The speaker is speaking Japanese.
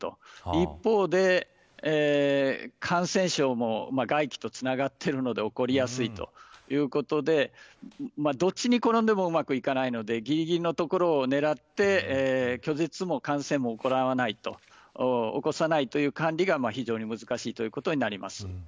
一方で感染症も外気とつながっているので起こりやすいということでどっちに転んでもうまくいかないのでぎりぎりのところを狙って拒絶も感染も起こらないと起こさないという管理が非常に難しいということになります。